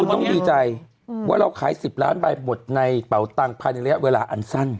คุณต้องดีใจว่าเราขาย๑๐ล้านใบบดในเป่าตังค์ภายในระยะเวลาอันสั้น